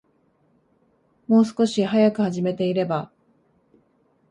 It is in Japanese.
もう少し早く始めていれば